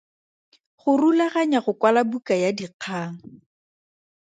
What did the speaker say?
Go rulaganya go kwala buka ya dikgang.